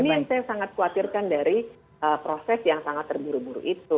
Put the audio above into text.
ini yang saya sangat khawatirkan dari proses yang sangat terburu buru itu